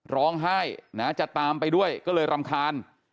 ร้องไห้นะจะตามไปด้วยก็เลยรำคาญ